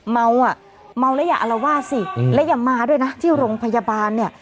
เมาอ่ะเมาแล้วอย่าอารวาสสิและอย่ามาด้วยนะที่โรงพยาบาลเนี่ย